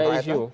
nggak ada isu